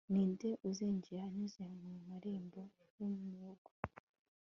Ni nde uzinjira anyuze mu marembo yumurwa